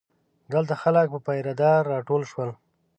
دلته خلک پر پیره دار راټول شول.